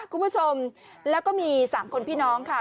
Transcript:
คุณผู้ชมแล้วก็มี๓คนพี่น้องค่ะ